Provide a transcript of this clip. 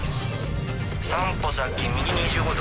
３歩先右に１５度。